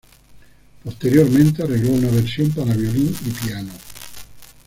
Posteriormente arregló una versión para violín y piano, Op.